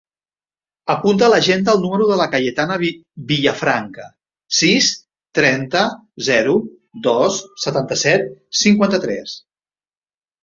Apunta a l'agenda el número de la Cayetana Villafranca: sis, trenta, zero, dos, setanta-set, cinquanta-tres.